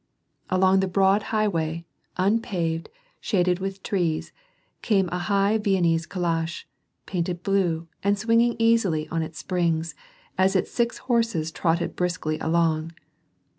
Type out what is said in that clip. Along the broad highway, unpaved, shaded with trees, came a high Viennese calash, painted blue, and swinging easily on its springs, as its six horses trotted briskly along.